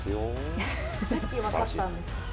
さっき分かったんですよね。